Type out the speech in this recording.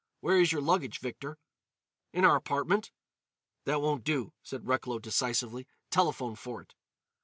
Where is your luggage, Victor?" "In our apartment." "That won't do," said Recklow decisively. "Telephone for it."